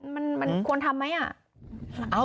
มันควรทำไหมอ่ะ